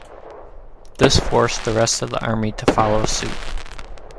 This forced the rest of the army to follow suit.